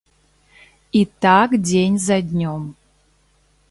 І так дзень за днём.